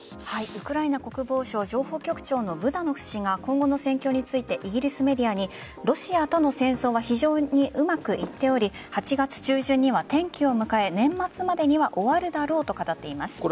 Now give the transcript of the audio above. ウクライナ国防相情報局長のブダノフ氏が今後の戦況についてイギリスメディアにロシアとの戦争は非常にうまくいっており８月中旬には転機を迎え年末までには終わるだろうと語っています。